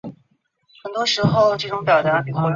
他认为自己是一家之主